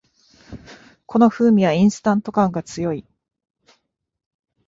この風味はインスタント感が強い